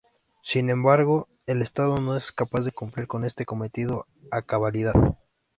Sin embargo, el estado no es capaz de cumplir con este cometido a cabalidad.